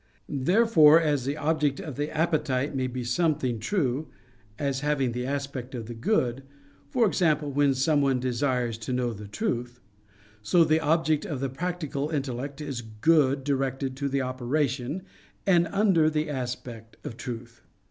Therefore as the object of the appetite may be something true, as having the aspect of good, for example, when some one desires to know the truth; so the object of the practical intellect is good directed to the operation, and under the aspect of truth.